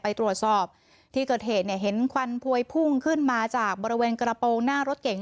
ไปตรวจสอบที่เกิดเหตุเนี่ยเห็นควันพวยพุ่งขึ้นมาจากบริเวณกระโปรงหน้ารถเก๋ง